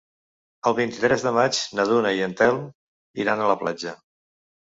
El vint-i-tres de maig na Duna i en Telm iran a la platja.